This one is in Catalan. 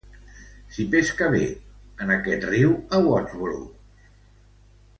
S'hi pesca bé, en aquest riu a Woodsboro.